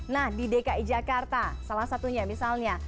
nah di dki jakarta salah satunya misalnya